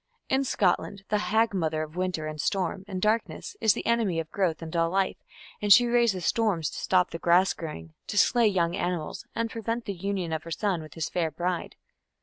In Scotland the hag mother of winter and storm and darkness is the enemy of growth and all life, and she raises storms to stop the grass growing, to slay young animals, and prevent the union of her son with his fair bride.